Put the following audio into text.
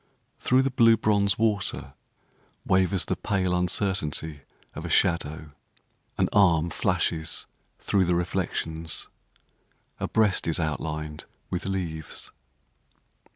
Through the blue bronze water Wavers the pale uncertainty of a shadow. An arm flashes through the reflections, A breast is outlined with leaves.